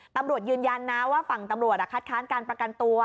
ตำรวจยืนยันนะว่าฝั่งตำรวจคัดค้านการประกันตัว